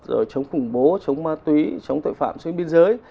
rồi chống khủng bố chống ma túy chống tội phạm xuyên biên giới